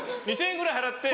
２０００円ぐらい払って。